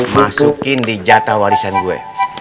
masukin di jata warisan gue